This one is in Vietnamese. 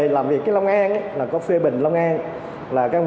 làm việc long an có phê bình long an